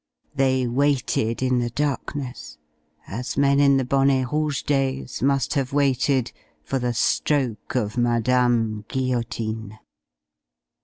They waited in the darkness, as men in the Bonnet Rouge days must have waited for the stroke of Madame Guillotine.